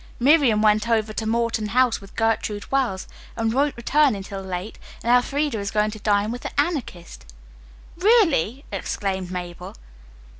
Miriam went over to Morton House with Gertrude Wells, and won't return until late, and Elfreda is going to dine with the Anarchist." "Really!" exclaimed Mabel.